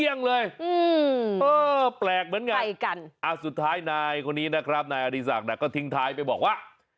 อิสองด์น่ะก็ทิ้งทายไปบอกว่า